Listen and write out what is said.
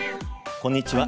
こんにちは。